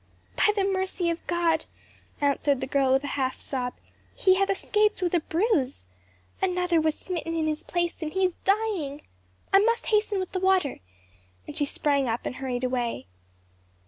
"By the mercy of God," answered the girl with a half sob, "he hath escaped with a bruise; another was smitten in his place, and he is dying. I must hasten with the water!" and she sprang up and hurried away.